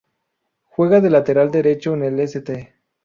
Juega de lateral derecho en el St.